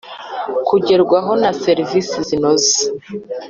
kugerwaho na serivisi zinoze,